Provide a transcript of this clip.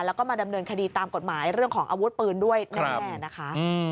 แล้วก็มาดำเนินคดีตามกฎหมายเรื่องของอาวุธปืนด้วยแน่นะคะ